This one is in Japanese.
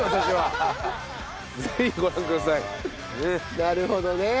なるほどね。